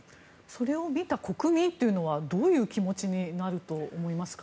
それを見た国民はどういう気持ちになると思いますか？